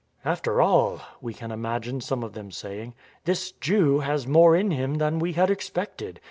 ^" After all," we can imagine some of them saying, " this Jew has more in him than we had expected.